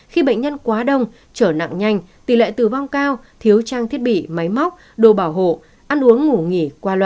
khi bệnh nhân quá đông trở nặng nhanh tỷ lệ tử vong cao thiếu trang thiết bị máy máy